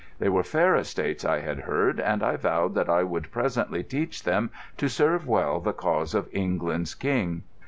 They were fair estates, I had heard, and I vowed that I would presently teach them to serve well the cause of England's king.